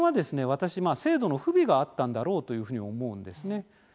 私制度の不備があったんだろうというふうに思うんですね。